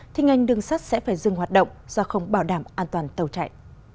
thì ngành đường sắt sẽ phải dừng hoạt động do không bảo đảm an toàn tàu chạy